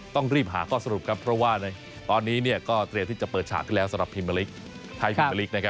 ต้องรีบหาข้อสรุปครับเพราะว่า